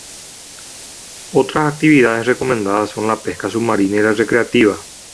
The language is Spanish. Otras actividades recomendadas son la pesca submarina y la recreativa.